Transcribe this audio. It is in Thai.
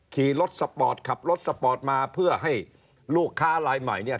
ขี่รถสปอร์ตขับรถสปอร์ตมาเพื่อให้ลูกค้าลายใหม่เนี่ย